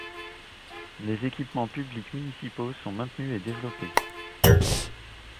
Les équipements publics municipaux sont maintenus et développés.